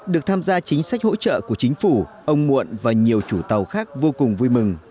được tham gia chính sách hỗ trợ của chính phủ ông muộn và nhiều chủ tàu khác vô cùng vui mừng